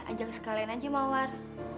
ajak sekalian aja mawar